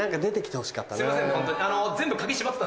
すいません。